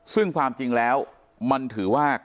ซึ่งความจริงแล้วมันถือว่า